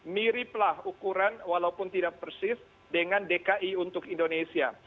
miriplah ukuran walaupun tidak persis dengan dki untuk indonesia